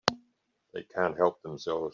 They can't help themselves.